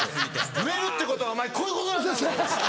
「売れるってことはお前こういうことなんだ！」。